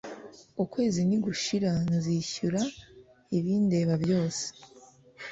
Ukwezi nigushira nzishyura ibindeba byose